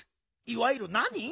いわゆるなに？